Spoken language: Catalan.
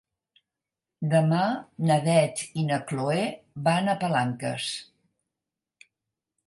Demà na Beth i na Chloé van a Palanques.